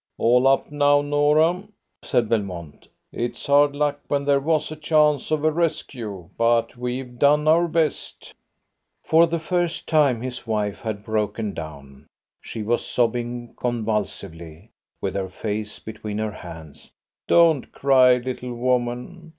"All up now, Norah," said Belmont. "It's hard luck when there was a chance of a rescue, but we've done our best." For the first time his wife had broken down. She was sobbing convulsively, with her face between her hands. "Don't cry, little woman!